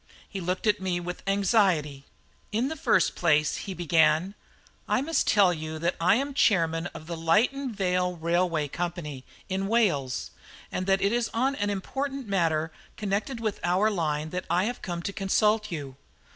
He looked at me with anxiety. "In the first place," he began, "I must tell you that I am chairman of the Lytton Vale Railway Company in Wales, and that it is on an important matter connected with our line that I have come to consult you.